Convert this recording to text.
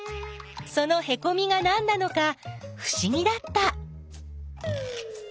そのへこみがなんなのかふしぎだった。